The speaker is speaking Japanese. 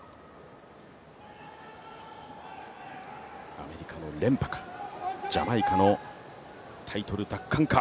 アメリカの連覇か、ジャマイカのタイトル奪還か。